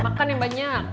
makan yang banyak